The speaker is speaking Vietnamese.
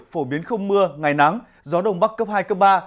phổ biến không mưa ngày nắng gió đông bắc cấp hai cấp ba